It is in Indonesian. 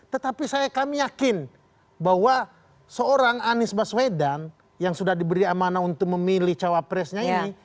tetapi kami yakin bahwa seorang anies baswedan yang sudah diberi amanah untuk memilih cawapresnya ini